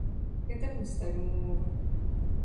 Гэта мы ставім умовы.